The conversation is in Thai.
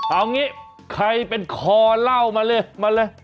เอางี้ใครเป็นคอเล่ามาเลยมาเลย